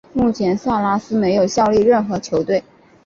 目前萨拉斯没有效力任何球队。